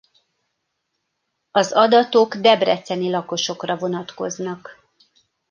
Az adatok debreceni lakosokra vonatkoznak.